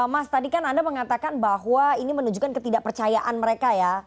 mas tadi kan anda mengatakan bahwa ini menunjukkan ketidakpercayaan mereka ya